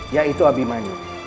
yaitu abi manyu